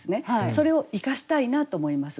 それを生かしたいなと思います。